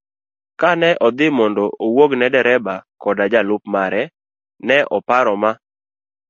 Kane odhi mondo owuog ne dereba koda jalup mare, ne oparo Ma.